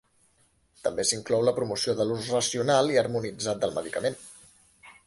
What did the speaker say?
També s’inclou la promoció de l’ús racional i harmonitzat del medicament.